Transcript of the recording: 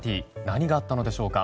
何があったのでしょうか。